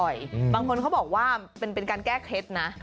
บ่อยบางคนเขาบอกว่าทำการแก้เคล็ดนะ